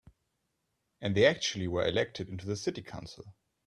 And they actually were elected into the city council.